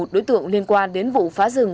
một mươi một đối tượng liên quan đến vụ phá rừng